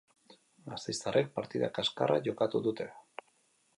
Gasteiztarrek partida kaskarra jokatu dute.